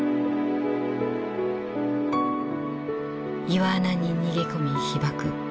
岩穴に逃げ込み被爆。